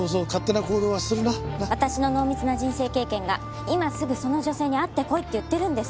私の濃密な人生経験が今すぐその女性に会ってこいって言ってるんです。